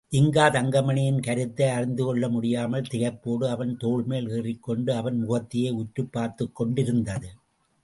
ஜின்கா தங்கமணியின் கருத்தை அறிந்துகொள்ள முடியாமல் திகைப்போடு அவன் தோள்மேல் ஏறிக்கொண்டு அவன் முகத்தையே உற்றுப் பார்த்துக்கொண்டிருந்தது.